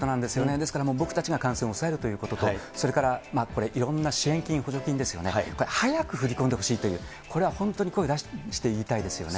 ですからもう僕たちが感染を抑えるということと、それからこれ、いろんな支援金、補助金ですよね、早く振り込んでほしいという、これは本当に声を大にして言いたいですよね。